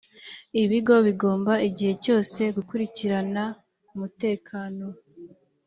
ibigo bigomba igihe cyose gukurikirana umutekano